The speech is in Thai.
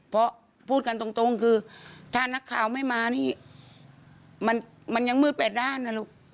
เพราะพูดกันตรงคือถ้านักข่าวไม่มานี่มันยังมืดแปดด้านนะลูก